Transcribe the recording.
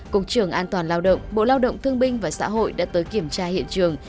cục trưởng an toàn lao động bộ lao động thương binh và xã hội đã tới kiểm tra hiện trường